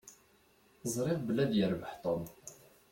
Ẓṛiɣ belli ad yerbeḥ Tom.